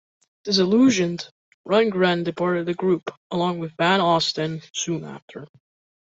Disillusioned, Rundgren departed the group, along with Van Osten, soon after.